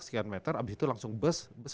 sekian meter abis itu langsung bus bus